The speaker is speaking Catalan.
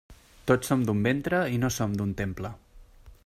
Tots som d'un ventre i no som d'un «temple».